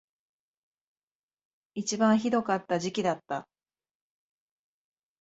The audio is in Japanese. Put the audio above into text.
一番ひどかった時期だった